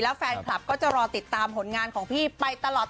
แฟนคลับก็จะรอติดตามผลงานของพี่ไปตลอด